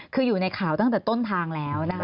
คืออยู่ในข่าวตั้งแต่ต้นทางแล้วนะคะ